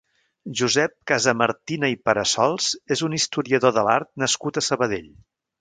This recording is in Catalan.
Josep Casamartina i Parassols és un historiador de l'art nascut a Sabadell.